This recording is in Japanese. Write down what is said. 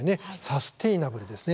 サステイナブルです。